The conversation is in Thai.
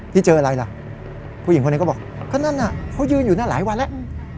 เจออะไรล่ะผู้หญิงคนนี้ก็บอกก็นั่นน่ะเขายืนอยู่นั่นหลายวันแล้ว